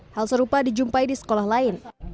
hal serupa dijumpai di sekolah lain